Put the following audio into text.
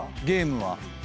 ゲームは。